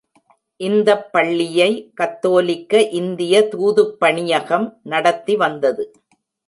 இந்தப் பள்ளியை, கத்தோலிக்க இந்திய தூதுப் பணியகம் நடத்தி வந்தது.